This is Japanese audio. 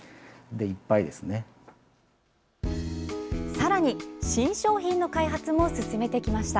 さらに新商品の開発も進めてきました。